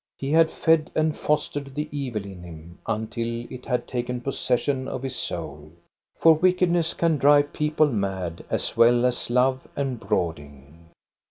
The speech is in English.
He had fed and fostered the evil in him until it had taken pos session of his soul. For wickedness can drive people mad, as well as love and brooding.